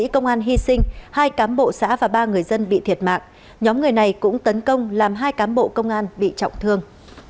hai cám bộ xã và ba người dân bị thiệt mạng nhóm người này cũng tấn công làm hai cám bộ công an bị trọng thương